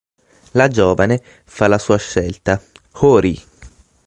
La giovane fa la sua scelta: Hori.